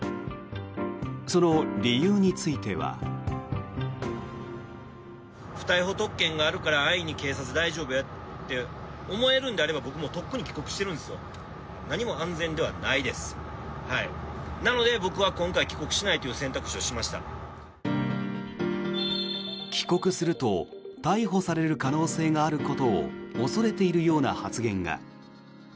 その理由については。帰国すると逮捕される可能性があることを恐れているような発言が。